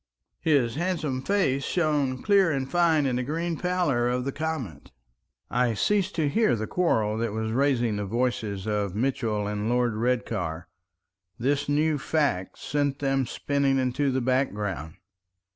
His handsome face shone clear and fine in the green pallor of the comet. I ceased to hear the quarrel that was raising the voice of Mitchell and Lord Redcar. This new fact sent them spinning into the background.